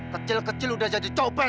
kecil kecil udah jadi coba